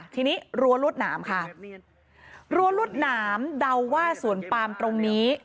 ทีนี้รั้วรวดหนามค่ะรั้วรวดหนามเดาว่าสวนปามตรงนี้